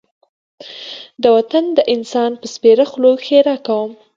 د وطن د انسان په سپېره خوله ښېرا کوم.